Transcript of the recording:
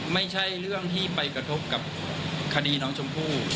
ไม่ใช่เรื่องที่ไปกระทบกับคดีน้องชมพู่